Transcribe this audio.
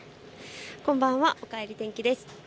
こんばんは、おかえり天気です。